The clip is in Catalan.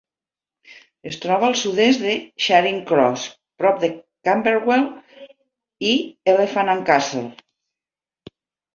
Es troba al sud-est de Charing Cross, prop de Camberwell i Elephant and Castle.